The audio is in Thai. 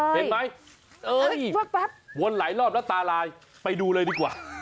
เห็นไม่เห็นว้นไหล้รอบแล้วตาลายไปดูเลยดีกว่า